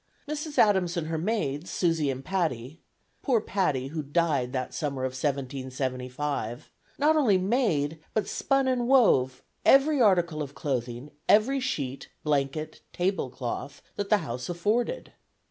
Mrs. Adams and her maids, Susie and Patty (poor Patty, who died that summer of 1775!), not only made, but spun and wove, every article of clothing, every sheet, blanket, table cloth, that the house afforded.